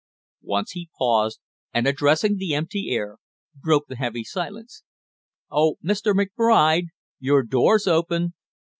Once he paused, and addressing the empty air, broke the heavy silence: "Oh, Mr. McBride, your door's open!"